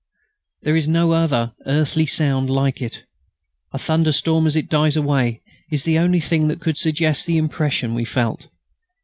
There is no other earthly sound like it. A thunderstorm as it dies away is the only thing that could suggest the impression we felt.